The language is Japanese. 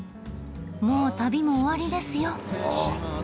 もう旅も終わりですよ。